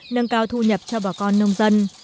nâng cao thu nhập cho bà con nông dân